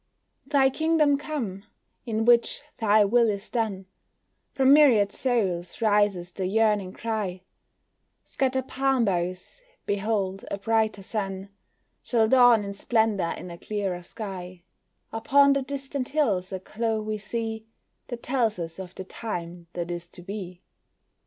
Thy kingdom come, in which Thy will is done, From myriad souls rises the yearning cry; Scatter palm boughs behold, a brighter sun Shall dawn in splendor, in a clearer sky; Upon the distant hills a glow we see, That tells us of the Time that is to be.